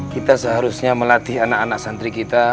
kita seharusnya melatih anak anak santri kita